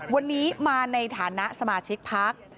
วันนี้มาในฐานะสมาชิกพัก